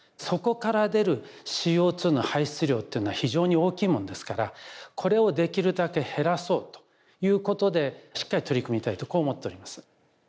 そこから出るＣＯの排出量っていうのは非常に大きいものですからこれをできるだけ減らそうということでしっかり取り組みたいとこう思っております。